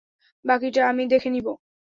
বাকিটা আমি দেখে নিবো।